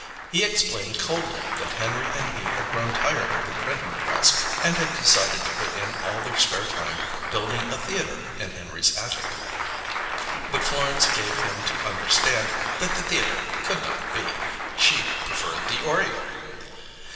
He explained coldly that Henry and he had grown tired of the printing press and had decided to put in all their spare time building a theatre in Henry's attic; but Florence gave him to understand that the theatre could not be; she preferred the Oriole.